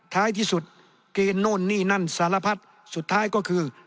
ท้ายที่สุดเกณฑ์โน่นนี่นั่นสารพัดสุดท้ายก็คือ